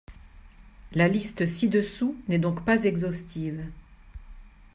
La liste ci-dessous n’est donc pas exhaustive.